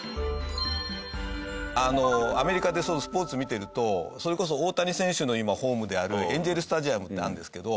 あのアメリカでスポーツ見てるとそれこそ大谷選手の今ホームであるエンゼル・スタジアムってあるんですけど。